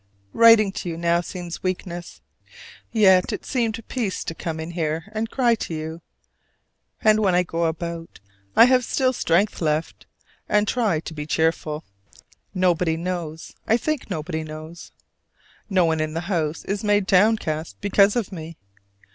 Writing to you now seems weakness: yet it seemed peace to come in here and cry to you. And when I go about I have still strength left, and try to be cheerful. Nobody knows, I think nobody knows. No one in the house is made downcast because of me.